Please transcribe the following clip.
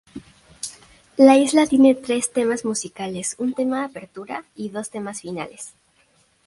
La isla tiene tres temas musicales: un tema de apertura y dos temas finales.